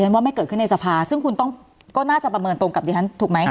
ว่าไม่เกิดขึ้นในสภาซึ่งคุณต้องก็น่าจะประเมินตรงกับดิฉันถูกไหม